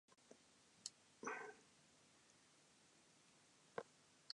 お前は俺の一番だよ。